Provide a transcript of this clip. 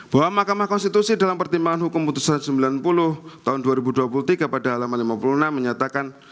bahwa mahkamah konstitusi dalam pertimbangan hukum putusan sembilan puluh tahun dua ribu dua puluh tiga pada halaman lima puluh enam menyatakan